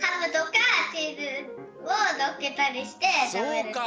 そうか！